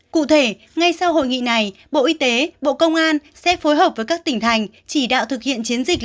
cụ thể ngay sau hội nghị này bộ y tế bộ công an sẽ phối hợp với các tỉnh thành chỉ đạo thực hiện chiến dịch